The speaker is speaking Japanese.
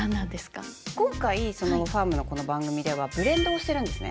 今回ファームのこの番組ではブレンドをしてるんですね。